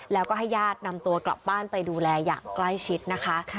แล้วก็ให้ญาตินำตัวกลับบ้านไปดูแลอย่างใกล้ชิดนะคะ